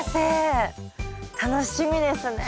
楽しみですね。